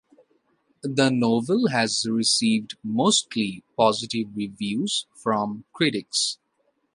The novel has received mostly positive reviews from critics.